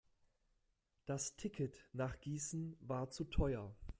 Das Ticket nach Gießen war zu teuer